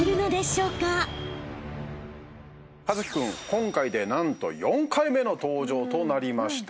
今回で何と４回目の登場となりました。